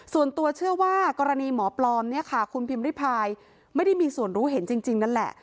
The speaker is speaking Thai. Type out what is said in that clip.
ส่วนตัวเชื่อว่ากรณีหมอปลอมเนี่ยค่ะคุณพิมพิพายไม่ได้มีส่วนรู้เห็นจริงนั่นแหละ